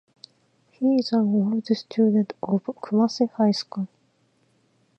He is an old student of Kumasi high school.